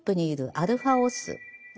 アルファオス。